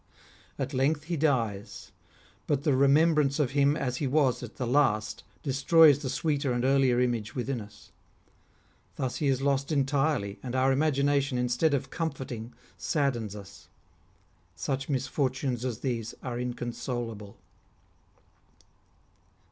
At length he dies ; but the remem brance of him as he was at the last destroys the sweeter and earlier image within us. Thus he is lost entirely, and our imagination, instead of comforting, saddens us. Such misfortunes as these are inconsolable."